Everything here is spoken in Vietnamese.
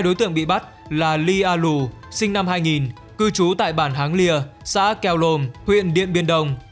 đối tượng bị bắt là ly a lù sinh năm hai nghìn cư trú tại bản háng lìa xã kèo lồm huyện điện biên đông